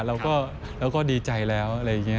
เราก็ดีใจแล้ว